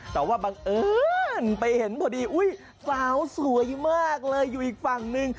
แต่ว่าบังเอิญไปเห็นพอดีอุ้ยสาวสวยมากเลยอยู่อีกฝั่งหนึ่ง